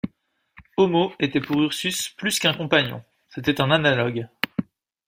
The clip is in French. Homo était pour Ursus plus qu’un compagnon, c’était un analogue.